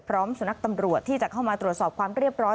สุนัขตำรวจที่จะเข้ามาตรวจสอบความเรียบร้อย